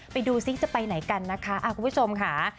ไปดูซิจะไปไหนกันนะคะคุณผู้ชมค่ะ